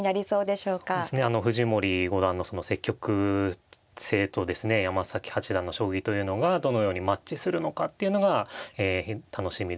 そうですね藤森五段のその積極性とですね山崎八段の将棋というのがどのようにマッチするのかっていうのが楽しみです。